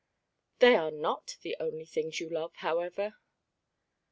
"They are not the only things you love, however."